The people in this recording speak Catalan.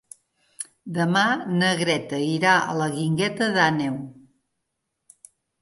Demà na Greta irà a la Guingueta d'Àneu.